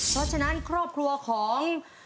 เพราะฉะนั้นครอบครัวของ